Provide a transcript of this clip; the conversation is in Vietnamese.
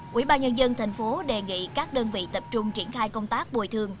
quỹ ban nhân dân tp hcm đề nghị các đơn vị tập trung triển khai công tác bồi thương